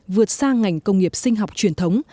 vượt sang ngành công nghiệp sinh học truyền thống